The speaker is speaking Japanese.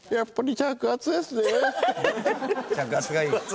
着圧がいい？